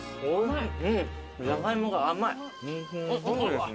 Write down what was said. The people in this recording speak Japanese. ジャガイモが甘い。